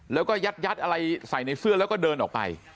แล้วก็ยัดอะไรใส่ในเสื้อแล้วก็เดินออกไป